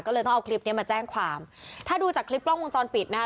ก็เลยต้องเอาคลิปเนี้ยมาแจ้งความถ้าดูจากคลิปกล้องวงจรปิดนะคะ